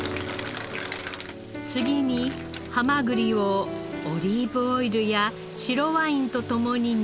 次にハマグリをオリーブオイルや白ワインと共に煮込み。